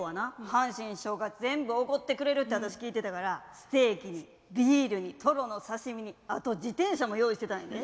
阪神師匠が全部おごってくれるって私聞いてたからステーキにビールにトロの刺身にあと自転車も用意してたんやで。